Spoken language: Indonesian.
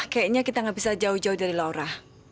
kayaknya kita gak bisa jauh jauh dari laura